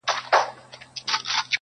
خو زړې کيسې ژوندۍ پاتې دي,